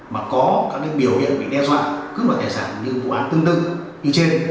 mà có các biểu hiện bị đe dọa cướp đoạt tài sản như vụ án tương tự như trên